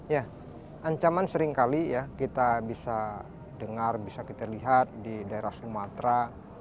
ya ancaman seringkali ya kita bisa dengar bisa kita lihat di daerah sumatera